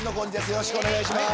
よろしくお願いします。